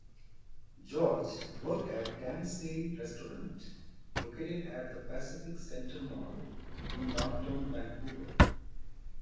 George worked at Dempsey's Restaurant located at the Pacific Centre Mall in Downtown Vancouver.